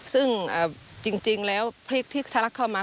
ซึ่งจริงแล้วพริกที่ทะลักเข้ามา